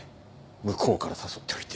向こうから誘っておいて。